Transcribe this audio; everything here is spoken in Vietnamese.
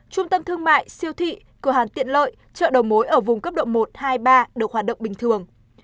trung tâm thương mại siêu thị cửa hàng tiện lợi chợ đầu mối ở vùng cấp độ một hai ba được hoạt động bình thường